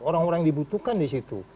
orang orang yang dibutuhkan di situ